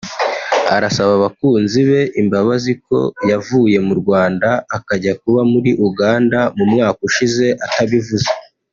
arasaba abakunzi be imbabazi ko yavuye mu Rwanda akajya kuba muri Uganda mu mwaka ushize atabivuze